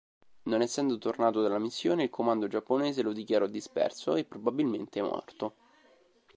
Non essendo tornato dalla missione il comando giapponese lo dichiarò disperso, e probabilmente morto.